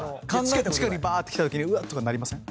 近くにばーって来たときにうわっ！とかなりません？